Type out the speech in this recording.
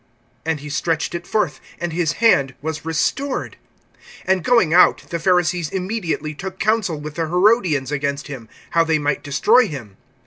And he stretched it forth; and his hand was restored. (6)And going out, the Pharisees immediately took counsel with the Herodians against him, how they might destroy him.